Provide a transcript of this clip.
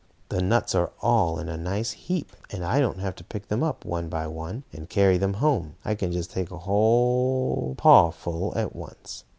"The nuts are all in a nice heap, and I don't have to pick them up, one by one, and carry them home. I can take a whole paw full at once."